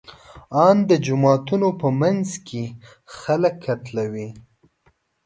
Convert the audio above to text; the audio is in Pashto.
ان د جوماتونو په منځ کې خلک قتلوي.